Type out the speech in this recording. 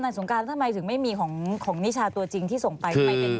ตำรวจสงการทำไมถึงไม่มีของมิชาตัวจริงที่ส่งไป